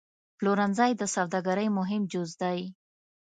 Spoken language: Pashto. پلورنځی د سوداګرۍ مهم جز دی.